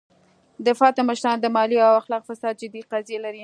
د فتح مشران د مالي او اخلاقي فساد جدي قضیې لري.